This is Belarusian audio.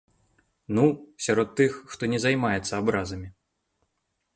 Ну, сярод тых, хто не займаецца абразамі.